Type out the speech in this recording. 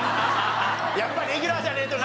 やっぱレギュラーじゃねえとな！